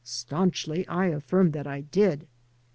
Staunchly I affirmed that I did.